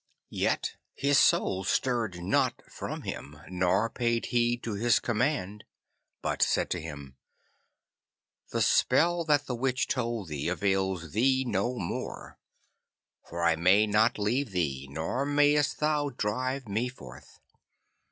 Yet his Soul stirred not from him, nor paid heed to his command, but said to him, 'The spell that the Witch told thee avails thee no more, for I may not leave thee, nor mayest thou drive me forth.